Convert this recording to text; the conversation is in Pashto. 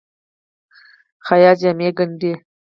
خیاط جامې ګنډي.